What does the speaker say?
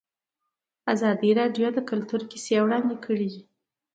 ازادي راډیو د کلتور کیسې وړاندې کړي.